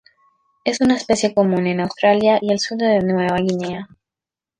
Es una especie común en Australia y el sur de Nueva Guinea.